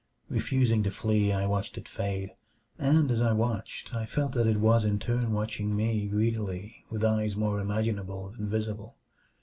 Refusing to flee, I watched it fade and as I watched I felt that it was in turn watching me greedily with eyes more imaginable than visible.